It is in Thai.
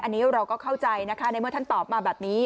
อันนี้เราก็เข้าใจนะคะในเมื่อท่านตอบมาแบบนี้